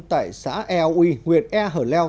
tại xã eo uy nguyệt e hở leo